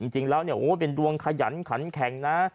จริงแล้วเป็นดวงขยันขันแข็งนะ